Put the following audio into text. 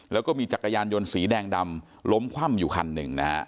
แล้วก็มีจักรยานยนต์สีแดงดำล้มคว่ำอยู่คันหนึ่งนะฮะ